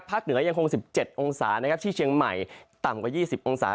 เหนือยังคง๑๗องศานะครับที่เชียงใหม่ต่ำกว่า๒๐องศา